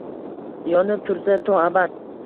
Yonib tursa to abad.